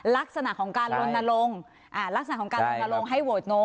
ลักษณะของการลนลงลักษณะของการลนลงให้โหวตโน้